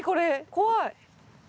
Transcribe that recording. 怖い。